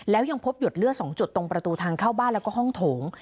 แล้วยังพบหยดเลือด๒จุดตรงประตูทางเข้าบ้านแล้วก็ห้องโถง